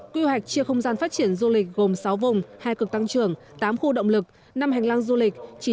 quy hoạch chia không gian phát triển du lịch gồm sáu vùng hai cực tăng trưởng tám khu động lực năm hành lang du lịch